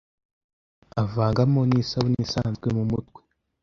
avangamo nisabune isanzwe mumutwe